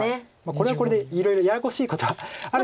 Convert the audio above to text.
これはこれでいろいろややこしいことはある。